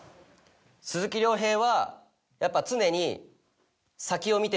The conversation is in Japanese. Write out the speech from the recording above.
鈴木亮平はやっぱ。